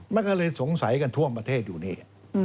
มันก็เลยสงสัยกันทั่วประเทศอยู่นี่